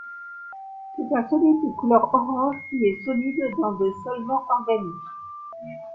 C'est un solide de couleur orange qui est soluble dans des solvants organiques.